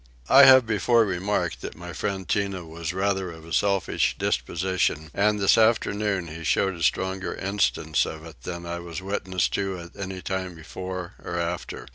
I have before remarked that my friend Tinah was rather of a selfish disposition and this afternoon he showed a stronger instance of it than I was witness to at any time before or after.